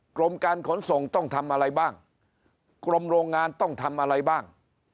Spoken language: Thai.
กรมการขนส่งต้องทำอะไรบ้างกรมโรงงานต้องทำอะไรบ้าง